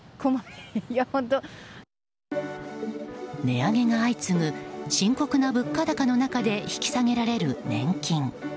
値上げが相次ぐ深刻な物価高の中で引き下げられる年金。